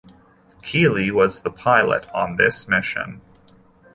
Kelly was the pilot on this mission.